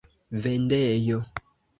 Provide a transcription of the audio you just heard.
vendejo